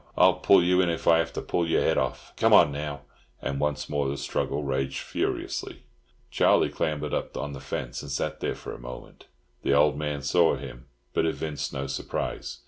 I'll pull you in if I have to pull your head off. Come on, now!" And once more the struggle raged furiously. Charlie clambered up on the fence and sat there for a moment. The old man saw him, but evinced no surprise.